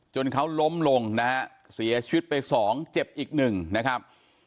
จนเขาล้มลงนะฮะเสียชีวิตไปสองเจ็บอีกหนึ่งนะครับ